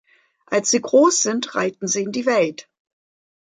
Als sie groß sind, reiten sie in die Welt.